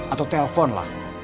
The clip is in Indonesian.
atau telepon lah